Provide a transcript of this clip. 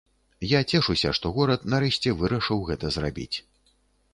Я цешуся, што горад нарэшце вырашыў гэта зрабіць.